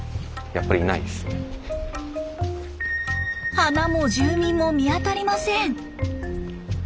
花も住民も見当たりません。